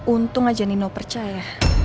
untung aja nino percaya